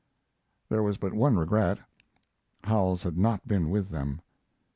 There was but one regret: Howells had not been with them.